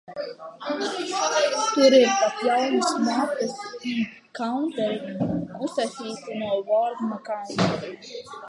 There are even new maps and counters, created by Ward McBurney.